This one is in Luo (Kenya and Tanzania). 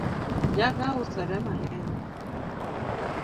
Njaga usore mang'eny